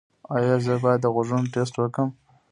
ایا زه باید د غوږونو ټسټ وکړم؟